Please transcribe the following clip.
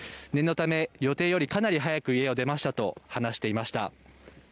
念のため予定よりかなり早く家を出ましたと話していました。